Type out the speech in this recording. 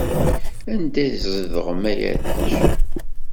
Anda i tzedɣem a arrac?